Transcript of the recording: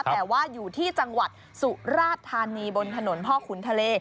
แต่ว่าอยู่ที่จังหวัดสุราธานีบนถนนพ่อขุนทะเล